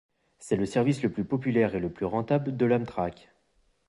C'est le service le plus populaire et le plus rentable de l'Amtrak.